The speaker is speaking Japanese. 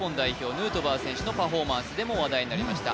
ヌートバー選手のパフォーマンスでも話題になりました